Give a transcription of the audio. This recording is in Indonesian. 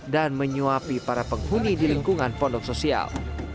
dan menyuapi para penghuni di lingkungan pondok sosial